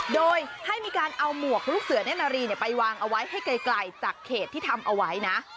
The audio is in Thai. โดยให้มีการเอาหมวกลูกเสือเน่นนารีไปวางเอาไว้ให้ไกลจากเขตที่ทำเอาไว้นะ